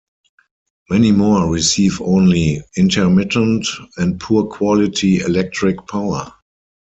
Many more receive only intermittent and poor quality electric power.